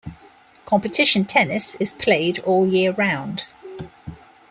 Competition tennis is played all year round.